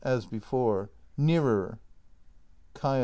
[As before.] Nearer! Kaia.